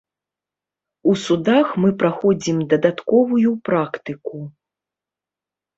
У судах мы праходзім дадатковую практыку.